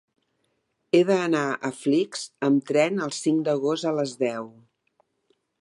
He d'anar a Flix amb tren el cinc d'agost a les deu.